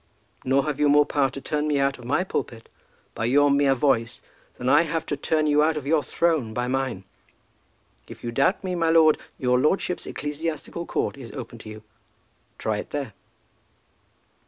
Nor have you more power to turn me out of my pulpit by your mere voice, than I have to turn you out of your throne by mine. If you doubt me, my lord, your lordship's ecclesiastical court is open to you. Try it there."